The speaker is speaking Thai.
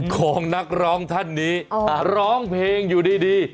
ของนักร้องท่านนี้ร้องเพลงอยู่ดี